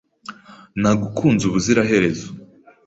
Nagukunze ubuziraherezo,